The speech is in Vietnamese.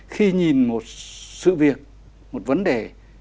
khi nhìn một sự việc một vấn đề